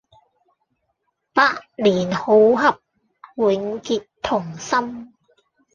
百年好合，永結同心